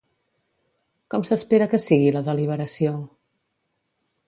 Com s'espera que sigui la deliberació?